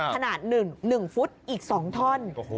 ขนาด๑ฟุตอีก๒ท่อน